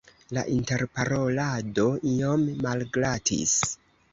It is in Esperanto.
La interparolado iom malglatis.